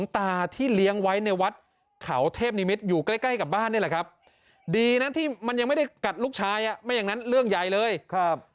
ที่มันยังไม่ได้กัดลูกชายอ่ะไม่อย่างนั้นเรื่องใหญ่เลยครับ